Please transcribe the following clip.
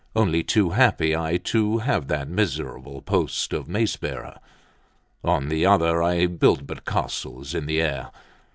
Only too happy I to have that miserable post of mace bearer. On the other I built but castles in the air.